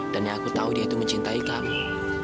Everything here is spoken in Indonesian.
dan aku tahu dia itu mencintai kamu